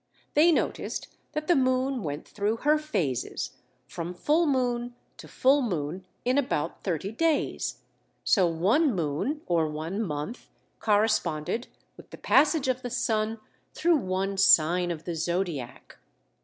They noticed that the moon went through her phases, from full moon to full moon in about thirty days. So one moon, or one month, corresponded with the passage of the sun through one "sign" of the zodiac.